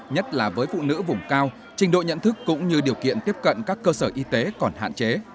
nhất là với phụ nữ vùng cao trình độ nhận thức cũng như điều kiện tiếp cận các cơ sở y tế còn hạn chế